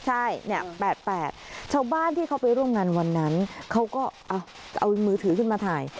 ใช่เนี่ย๘๘ชาวบ้านที่เขาไปร่วมงานวันนั้นเขาก็เอามือถือขึ้นมาถ่าย